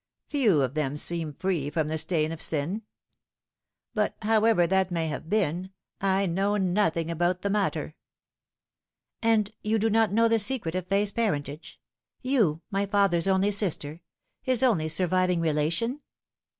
Few of them seem free from the stain of sin. But however that may have been, I know nothing about the matter." " And you do not know the secret of Fay's parentage you, my father's only sister his only surviving relation